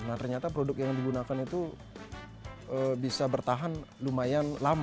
nah ternyata produk yang digunakan itu bisa bertahan lumayan lama